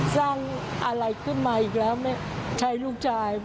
สร้างอะไรขึ้นมาอีกแล้วไม่ใช่ลูกชาย